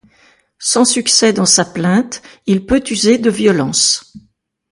Sans succès dans sa plainte, il peut user de violence.